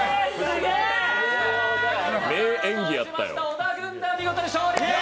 小田軍団、見事、勝利です。